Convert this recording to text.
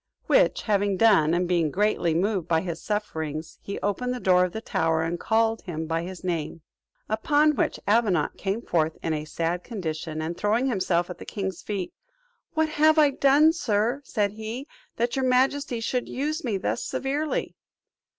Which having done, and being greatly moved by his sufferings, he opened the door of the tower, and called him by his name. Upon which Avenant came forth in a sad condition, and, throwing himself at the king's feet, "What have I done, sir," said he, "that your majesty should use me thus severely?"